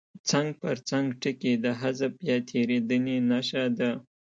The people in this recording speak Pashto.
څنګ پر څنګ ټکي د حذف یا تېرېدنې نښه ده.